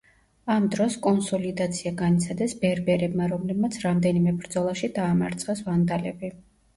ამ დროს კონსოლიდაცია განიცადეს ბერბერებმა, რომლებმაც რამდენიმე ბრძოლაში დაამარცხეს ვანდალები.